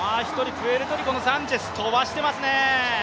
プエルトリコのサンチェス、とばしてますね。